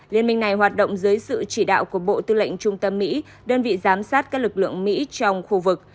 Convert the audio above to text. liên minh này hoạt động dưới sự chỉ đạo của bộ tư lệnh trung tâm mỹ đơn vị giám sát các lực lượng mỹ trong khu vực